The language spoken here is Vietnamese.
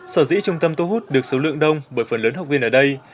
sở dĩ trung tâm thu hút được số lượng đông bởi phần lớn học viên ở đây